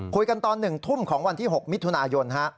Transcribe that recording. ตอน๑ทุ่มของวันที่๖มิถุนายน